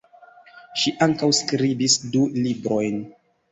Ŝi ankaŭ skribis du librojn.